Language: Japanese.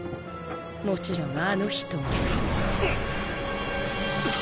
もちろんあの人も。